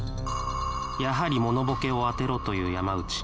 やはりモノボケを当てろという山内